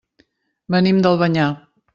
Venim d'Albanyà.